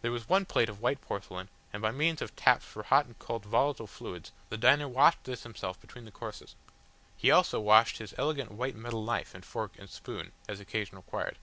There was one plate of white porcelain, and by means of taps for hot and cold volatile fluids the diner washed this himself between the courses; he also washed his elegant white metal knife and fork and spoon as occasion required.